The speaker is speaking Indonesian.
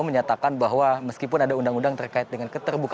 menyatakan bahwa meskipun ada undang undang terkait dengan keterbukaan